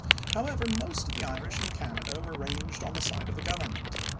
However, most of the Irish in Canada were ranged on the side of the government.